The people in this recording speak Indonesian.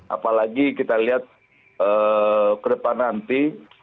apalagi kita lihat ke depan nanti